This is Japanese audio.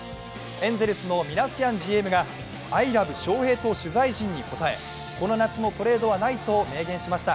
エンゼルスのミナシアンＧＭが「アイ・ラブ・ショーヘイ」と取材陣に答え、この夏のトレードはないと明言しました。